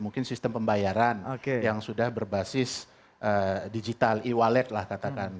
mungkin sistem pembayaran yang sudah berbasis digital e wallet lah katakan